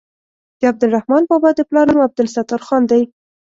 د عبدالرحمان بابا د پلار نوم عبدالستار خان دی.